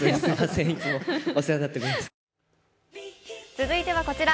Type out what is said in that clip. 続いてはこちら。